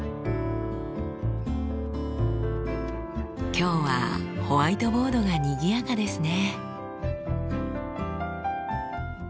今日はホワイトボードがにぎやかですね。